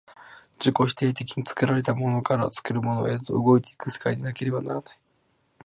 自己否定的に作られたものから作るものへと動いて行く世界でなければならない。